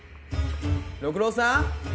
六郎さん？